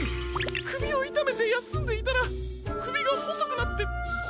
くびをいためてやすんでいたらくびがほそくなってこえまで。